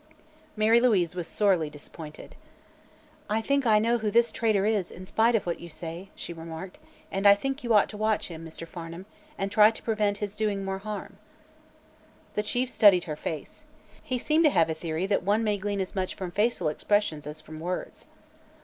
Mary Louise was sorely disappointed. "I think I know who this traitor is, in spite of what you say," she remarked, "and I think you ought to watch him, Mr. Farnum, and try to prevent his doing more harm." The Chief studied her face. He seemed to have a theory that one may glean as much from facial expression as from words.